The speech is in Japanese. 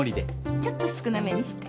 ちょっと少なめにして。